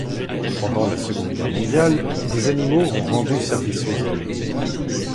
Pendant la Seconde Guerre mondiale, des animaux ont rendu service aux hommes.